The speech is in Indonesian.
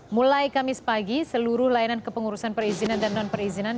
mulai kamis pagi seluruh layanan kepengurusan perizinan dan non perizinan